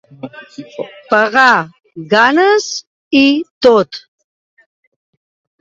Pagar ganes i tot.